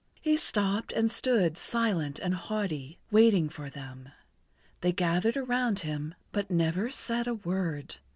He stopped and stood silent and haughty, waiting for them. They gathered around him, but said never a word.